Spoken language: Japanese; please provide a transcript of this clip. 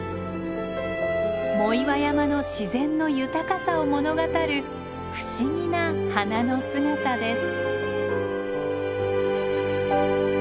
藻岩山の自然の豊かさを物語る不思議な花の姿です。